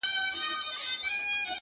دا په جرګو کي د خبرو قدر څه پیژني!!